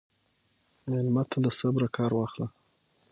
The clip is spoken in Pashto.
مېلمه ته له صبره کار واخله.